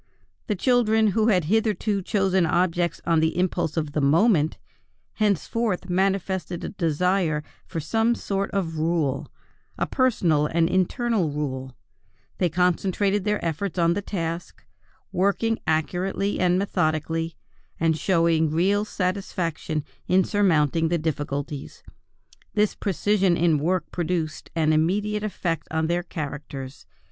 The children who had hitherto chosen objects on the impulse of the moment, henceforth manifested a desire for some sort of rule, a personal and internal rule; they concentrated their efforts on their task, working accurately and methodically, and showing real satisfaction in surmounting difficulties. This precision in work produced an immediate effect on their characters.